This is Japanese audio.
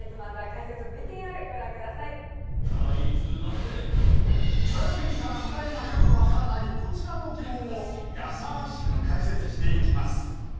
かいつまんで言われてみたら答えがよくわからないこちらの疑問をやさしく解説していきます